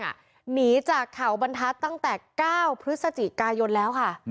หนีจากเขาบรรทัศน์ตั้งแต่๙พฤศจิกายนแล้วค่ะ